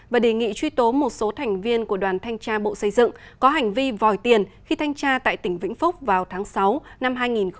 và đề nghị truy tố một số thành viên của đoàn thanh tra bộ xây dựng có hành vi vòi tiền khi thanh tra tại tỉnh vĩnh phúc vào tháng sáu năm hai nghìn một mươi chín